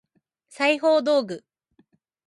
裁縫道具